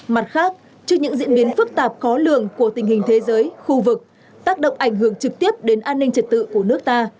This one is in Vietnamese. mặt khác trước những diễn biến phức tạp khó lường của tình hình thế giới khu vực tác động ảnh hưởng trực tiếp đến an ninh trật tự của nước ta